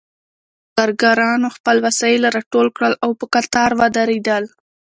کارګرانو خپل وسایل راټول کړل او په قطار ودرېدل